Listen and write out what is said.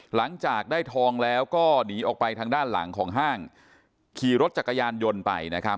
หลังจากได้ทองแล้วก็หนีออกไปทางด้านหลังของห้างขี่รถจักรยานยนต์ไปนะครับ